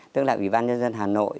tức là ủy ban nhân dân hà nội